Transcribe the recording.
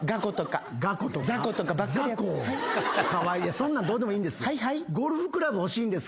そんなんどうでもいいんです。